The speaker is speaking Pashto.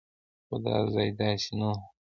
خو دا ځای داسې نه و.